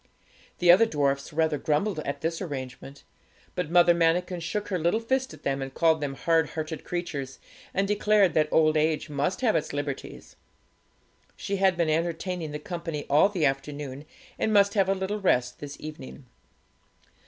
The other dwarfs rather grumbled at this arrangement; but Mother Manikin shook her little fist at them, and called them hard hearted creatures, and declared that old age must have its liberties. She had been entertaining the company all the afternoon, and must have a little rest this evening.